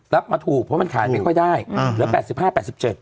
รับมาถูกเพราะมันขายไม่ค่อยได้อืมเหลือแปดสิบห้าแปดสิบเจ็ด